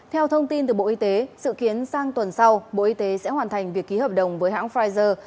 theo thông tin từ bộ y tế dự kiến sang tuần sau bộ y tế sẽ hoàn thành việc ký hợp đồng với hãng pfizer